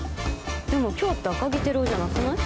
でも今日って赤城輝夫じゃなくない？